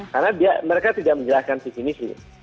karena mereka tidak menjelaskan definisi